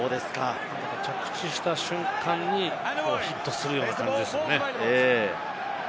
着地した瞬間にヒットする感じですよね。